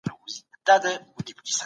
د پوستکي خوله د باکتریاوو تغذیه ځای دی.